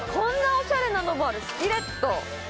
オシャレなのもあるスキレット